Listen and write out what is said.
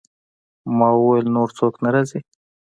ما وویل: نور څوک نه راځي؟